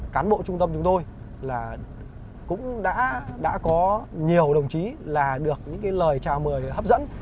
cán bộ trung tâm chúng tôi là cũng đã có nhiều đồng chí là được những cái lời chào mời hấp dẫn